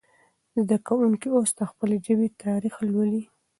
زده کوونکي اوس د خپلې ژبې تاریخ لولي.